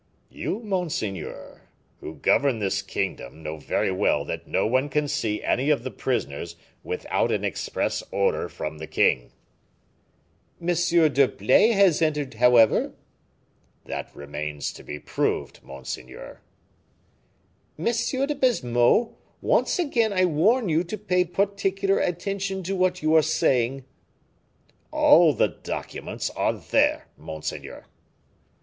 "You, monseigneur, who govern this kingdom, know very well that no one can see any of the prisoners without an express order from the king." "M. d'Herblay has entered, however." "That remains to be proved, monseigneur." "M. de Baisemeaux, once more I warn you to pay particular attention to what you are saying." "All the documents are there, monseigneur."